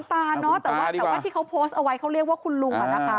๘๑ล่าคุณตาแต่ว่าที่เขาโพสต์เอาไว้เขาเรียกว่าคุณลุง